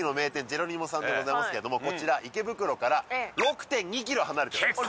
ジェロニモさんでございますけれどもこちら池袋から６．２ｋｍ離れております